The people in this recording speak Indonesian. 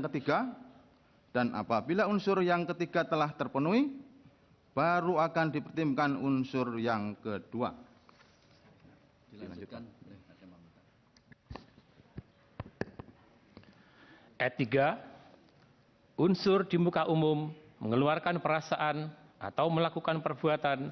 kepulauan seribu kepulauan seribu